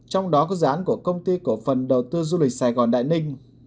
trong đó có dự án của công ty cổ phần đầu tư du lịch sài gòn đại ninh